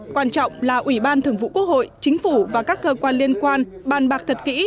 quan trọng là ủy ban thường vụ quốc hội chính phủ và các cơ quan liên quan bàn bạc thật kỹ